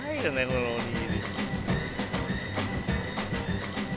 このおにぎり。